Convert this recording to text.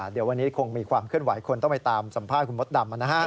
เดี๋ยววันนี้คงมีความเคลื่อนไหวคนต้องไปตามสัมภาษณ์คุณมดดำนะฮะ